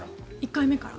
１回目から。